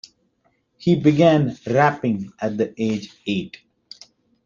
He began rapping at age eight.